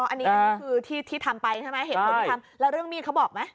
อันนี้คือที่ทำไปใช่ไหมเหตุผลที่ทำแล้วเรื่องมีดเขาบอกไหม